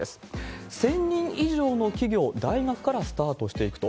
１０００人以上の企業、大学からスタートしていくと。